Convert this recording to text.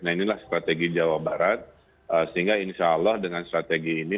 nah inilah strategi jawa barat sehingga insya allah dengan strategi ini